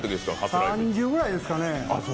３０ぐらいですかね。